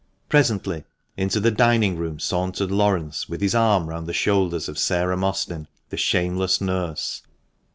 Presently, into the dining room sauntered Laurence, with his arm round the shoulders of Sarah Mostyn, the shameless nurse.